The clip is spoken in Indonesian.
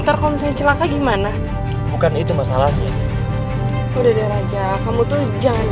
ntar kalau misalnya celaka gimana bukan itu masalahnya udah deh raja kamu tuh jangan